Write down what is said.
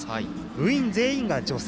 部員全員が女性。